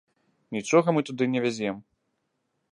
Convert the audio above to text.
Нічога мы туды не вязем.